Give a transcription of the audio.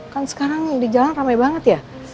kan sekarang di jalan ramai banget ya